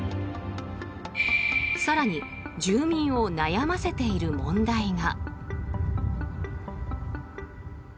更に住民を悩ませている問題が。